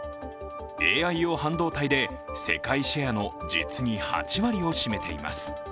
ＡＩ用半導体で、世界シェアの実に８割を占めています。